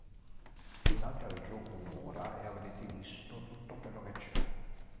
Date al gioco un'ora e avrete visto tutto quello che c'è".